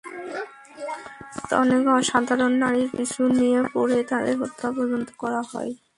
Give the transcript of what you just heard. অনেক সাধারণ নারীর পিছু নিয়ে পরে তাঁদের হত্যা পর্যন্ত করা হয়।